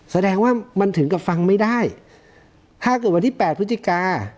แสดงว่ามันถึงกับฟังไม่ได้ถ้าเกิดวันที่แปดพฤศจิกา